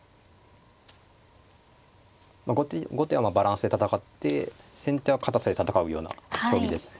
まあ後手はバランスで戦って先手は堅さで戦うような将棋ですね。